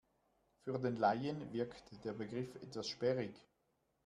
Für den Laien wirkt der Begriff etwas sperrig.